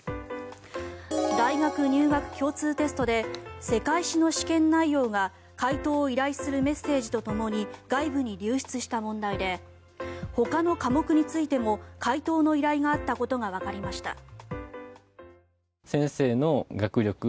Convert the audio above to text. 大学入学共通テストで世界史の試験内容が解答を依頼するメッセージとともに外部に流出した問題でほかの科目についても解答の依頼があったことがわかりました。